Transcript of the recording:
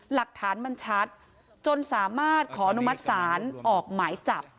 หลักฐานมันชัดจนสามารถขออนุมัติศาลออกหมายจับ